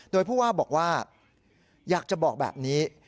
โดยผู้ว่าบอกว่าอยากจะบอกแบบนี้